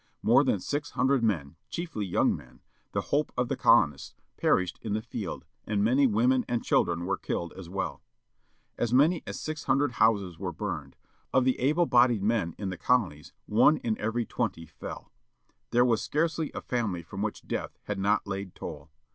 More than six hundred men, chiefly young men, the hope of the colonists, perished in the field, and many women and children were killed as well. As many as six hundred houses were biimed. Of the able bodied men in the colonies, one in every twenty fell. There was scarcely a family from which death had not laid toll.